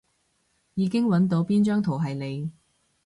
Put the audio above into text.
已經搵到邊張圖係你